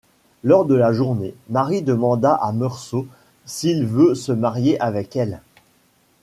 Lors de la journée, Marie demande à Meursault s'il veut se marier avec elle.